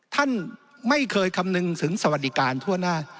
ท่านไม่เคยคำนึงถึงสวัสดิการทั่วหน้า